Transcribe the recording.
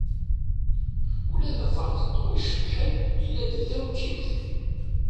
Ula d aferṭeṭṭu icebḥen, yella d tawekkiwt.